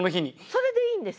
それでいいんです！